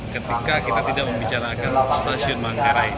ketika kita tidak membicarakan stasiun manggarai